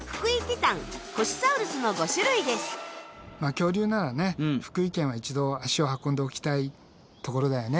恐竜ならね福井県は一度足を運んでおきたいところだよね。